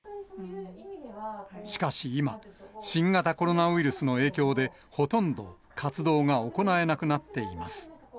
しかし今、新型コロナウイルスの影響で、ほとんど活動が行えなくなっています。